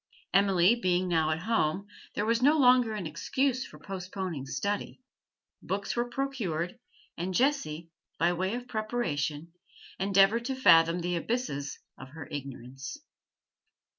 Emily being now at home, there was no longer an excuse for postponing study; books were procured, and Jessie, by way of preparation, endeavoured to fathom the abysses of her ignorance.